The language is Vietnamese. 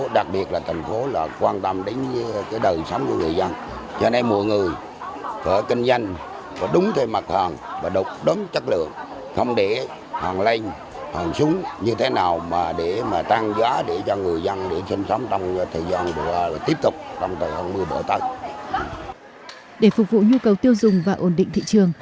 để phục vụ nhu cầu tiêu dùng và ổn định thị trường